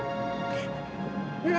evita gak salah